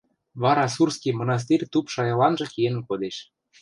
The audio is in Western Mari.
вара Сурский мынастир туп шайыланжы киэн кодеш.